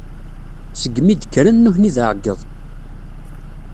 Seg mi d-kkren nutni d aɛeyyeḍ